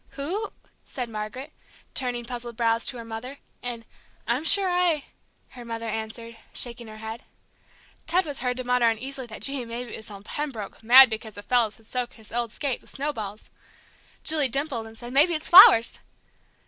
"Who ?" said Margaret, turning puzzled brows to her mother, and "I'm sure I " her mother answered, shaking her head. Ted was heard to mutter uneasily that, gee, maybe it was old Pembroke, mad because the fellers had soaked his old skate with snowballs; Julie dimpled and said, "Maybe it's flowers!"